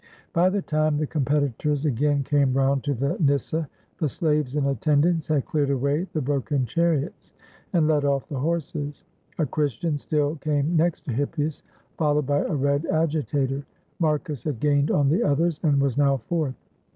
By the time the competitors again came round to the nyssa, the slaves in attendance had cleared away the broken chariots and led off the horses. A Christian still came next to Hippias, followed by a red agitator; Marcus had gained on the others, and was now fourth.